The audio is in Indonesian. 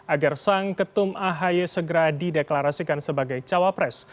agar sang ketum ahy segera dideklarasikan sebagai cawapres